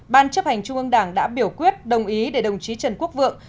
ban chấp hành trung ương đảng đã biểu quyết đồng ý để đồng chí trần quốc vượng